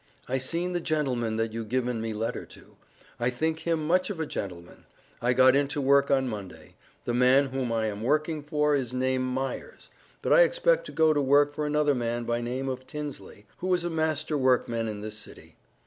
I seen the gentleman that you given me letter to. I think him much of a gentleman. I got into work on Monday. The man whom I am working for is name Myers; but I expect to go to work for another man by name of Tinsly, who is a master workman in this city.